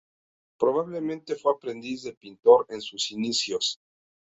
Probablemente fue aprendiz de pintor en sus inicios.